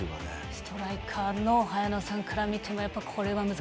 ストライカーの早野さんから見ても難しい。